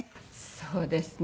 そうですね。